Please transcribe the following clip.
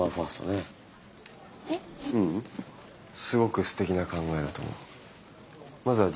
すごくすてきな考えだと思う。